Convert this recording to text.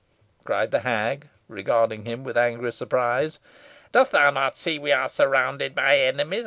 cried the hag, regarding him with angry surprise. "Dost thou not see we are surrounded by enemies.